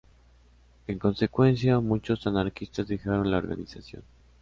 En consecuencia, muchos anarquistas dejaron la organización.